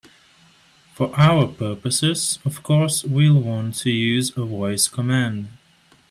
For our purposes, of course, we'll want to use a voice command.